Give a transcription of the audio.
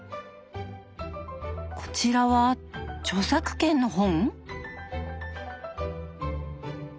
こちらは著作権の本？